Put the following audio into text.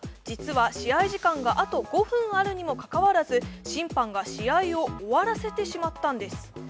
実は試合時間があと５分あるにもかかわらず審判が試合を終わらせてしまったんです。